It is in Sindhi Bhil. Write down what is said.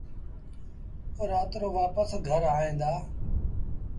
رآت رو وآپس گھر ائيٚݩدآ۔